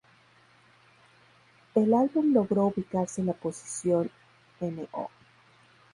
El álbum logró ubicarse en la posición No.